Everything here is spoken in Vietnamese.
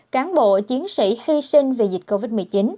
cán bộ chiến sĩ hy sinh vì dịch covid một mươi chín